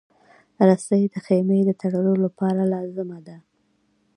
رسۍ د خېمې د تړلو لپاره لازمه ده.